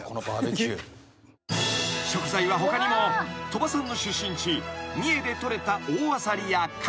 ［食材は他にも鳥羽さんの出身地三重で採れた大アサリやカキ］